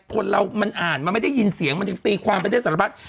คนเรามันอ่านมันไม่ได้ยินเสียงมันยังตีความไปได้สารพัด